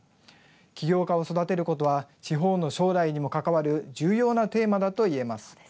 起業家を育てることは地方の将来にも関わる重要なテーマだと言えます。